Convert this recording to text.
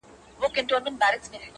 ستونزې ډېرېده اكثر!